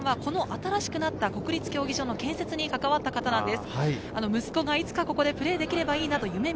英生さんは新しくなった国立競技場の建設に関わった方なんです。